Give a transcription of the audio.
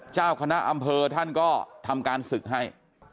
เจ้าคณะอำเภอท่านก็ทำการศึกให้